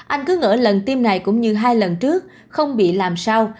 anh cứ ngỡ lần tiêm này cũng như hai lần trước không bị làm sau